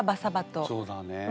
そうだねえ。